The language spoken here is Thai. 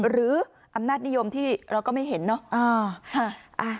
หรืออำนาจนิยมที่เราก็ไม่เห็นเนาะ